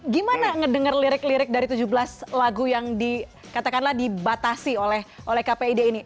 gimana ngedenger lirik lirik dari tujuh belas lagu yang dikatakanlah dibatasi oleh kpid ini